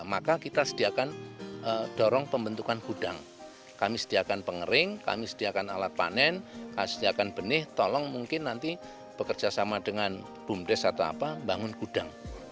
maka kita sediakan dorong pembentukan gudang kami sediakan pengering kami sediakan alat panen kami sediakan benih tolong mungkin nanti bekerja sama dengan bumdes atau apa bangun gudang